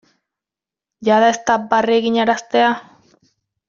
Jada ez da barre eginaraztea?